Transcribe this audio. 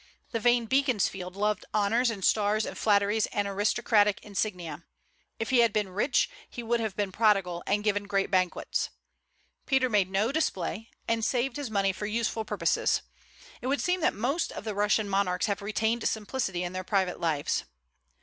The vain Beaconsfield loved honors and stars and flatteries and aristocratic insignia: if he had been rich he would have been prodigal, and given great banquets. Peter made no display, and saved his money for useful purposes. It would seem that most of the Russian monarchs have retained simplicity in their private lives.